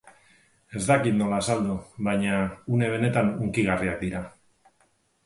Ez dakit nola azaldu, baina une benetan hunkigarriak dira.